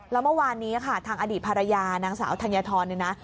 แล้วเมื่อวานนี้ค่ะทางอดีตภรรยานางสาวธัญฑรเนี่ยนะ